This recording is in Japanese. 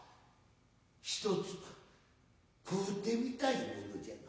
一つ食うてみたいものじゃが。